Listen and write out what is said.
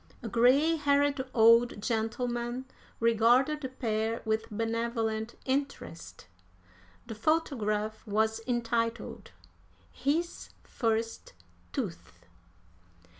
A gray haired old gentleman regarded the pair with benevolent interest. The photograph was entitled, "His First Tooth."